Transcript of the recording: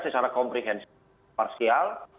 secara komprehensif parsial